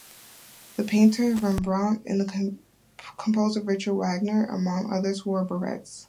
The painter Rembrandt and the composer Richard Wagner, among others, wore berets.